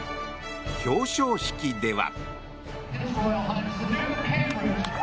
表彰式では。